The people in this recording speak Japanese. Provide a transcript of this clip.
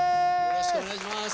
よろしくお願いします。